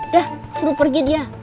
dah suruh pergi dia